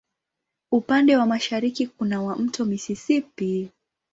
Upande wa mashariki kuna wa Mto Mississippi.